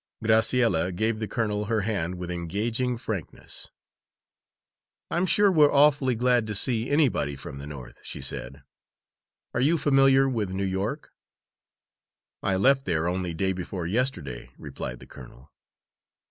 Graciella gave the colonel her hand with engaging frankness. "I'm sure we're awfully glad to see anybody from the North," she said. "Are you familiar with New York?" "I left there only day before yesterday," replied the colonel.